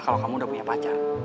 kalau kamu udah punya pacar